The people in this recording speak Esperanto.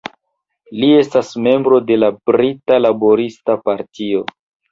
Li estas membro de la Brita Laborista Partio.